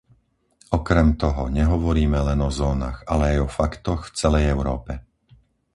Okrem toho, nehovoríme len o zónach, ale aj o faktoch v celej Európe.